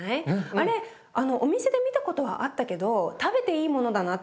あれお店で見たことはあったけど食べていいものだなとは思ってなかったのよ。